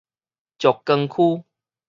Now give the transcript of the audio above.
石岡區